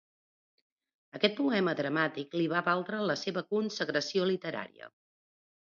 Aquest poema dramàtic li va valdre la seva consagració literària.